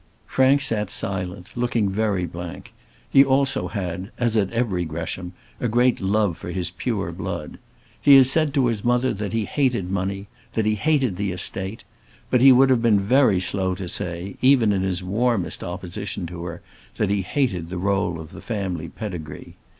Frank sat silent, looking very blank; he also had, as had every Gresham, a great love for his pure blood. He had said to his mother that he hated money, that he hated the estate; but he would have been very slow to say, even in his warmest opposition to her, that he hated the roll of the family pedigree.